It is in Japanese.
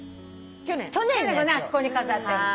去年のねあそこに飾ってます。